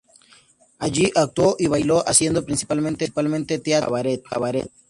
Allí actuó y bailó, haciendo principalmente teatro y cabaret.